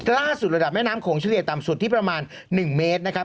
ล่าสุดระดับแม่น้ำโขงเฉลี่ยต่ำสุดที่ประมาณ๑เมตรนะครับ